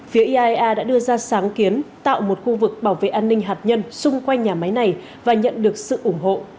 phía iaea đã đưa ra sáng kiến tạo một khu vực bảo vệ an ninh hạt nhân xung quanh nhà máy này và nhận được sự ủng hộ